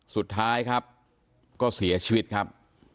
สุดท้ายครับก็เสียชีวิตครับ